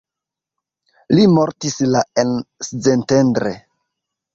Li mortis la en Szentendre.